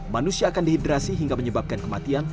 manusia akan dehidrasi hingga menyebabkan kematian